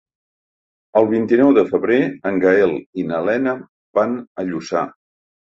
El vint-i-nou de febrer en Gaël i na Lena van a Lluçà.